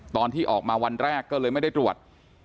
ตอนที่ออกมาวันแรกก็เลยไม่ได้ตรวจ